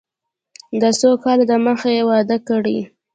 دا څو کاله د مخه يې واده کړى.